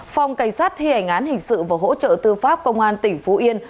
phòng cảnh sát thi hành án hình sự và hỗ trợ tư pháp công an tỉnh phú yên